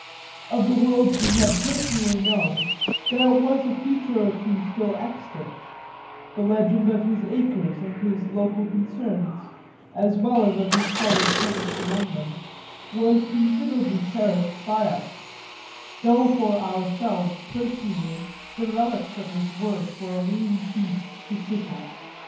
Of the world he had personally known there was a feature or two still extant; the legend of his acres and his local concerns, as well as of his solid presence among them, was considerably cherished by us, though for ourselves personally the relics of his worth were a lean feast to sit at.